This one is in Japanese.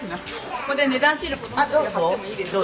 ここで値段シール子供たちが貼ってもいいですか？